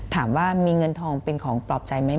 ถามว่ามีเงินทองเป็นของปลอบใจไหม